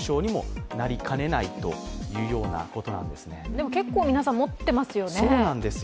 でも、結構、皆さん持っていますよね。